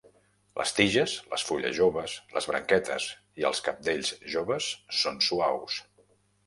Les tiges, les fulles joves, les branquetes i els cabdells joves són suaus.